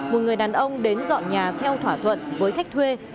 một người đàn ông đến dọn nhà theo thỏa thuận với khách thuê